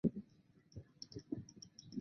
后来他任华北政务委员会委员。